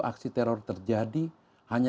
aksi teror terjadi hanya